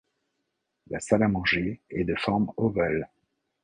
La salle à manger est de forme ovale.